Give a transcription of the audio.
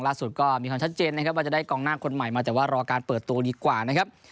ล่าสุดก็มีความชัดเจนนะครับว่าจะได้กองหน้าคนใหม่มาแต่ว่ารอการเปิดตัวดีกว่านะครับ